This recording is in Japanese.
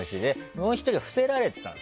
もう１人は伏せられてたの。